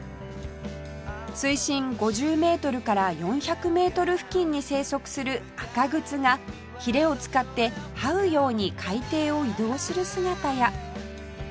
水深５０メートルから４００メートル付近に生息するアカグツがヒレを使ってはうように海底を移動する姿や